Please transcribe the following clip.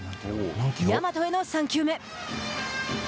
大和への３球目。